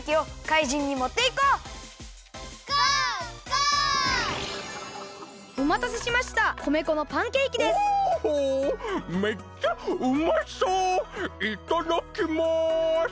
いただきます！